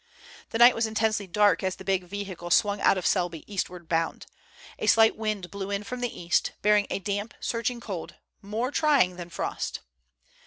The night was intensely dark as the big vehicle swung out of Selby, eastward bound. A slight wind blew in from the east, bearing a damp, searching cold, more trying than frost.